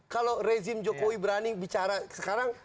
kalau rezim jokowi berani bicara sekarang